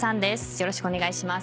よろしくお願いします。